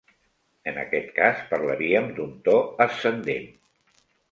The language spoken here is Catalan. En aquest cast parlaríem d'un to ascendent.